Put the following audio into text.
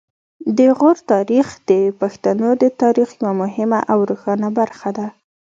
د غور تاریخ د پښتنو د تاریخ یوه مهمه او روښانه برخه ده